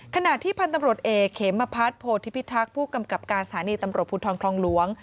ขณะที่พันธุ์ตำรวจเอกเขมพัฒนโพธิพิทักษ์ผู้กำกับการสถานีตำรวจภูทรคลองหลวง